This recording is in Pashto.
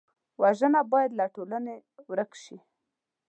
وژنه باید له ټولنې ورک شي